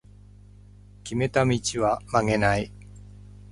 決めた道は曲げない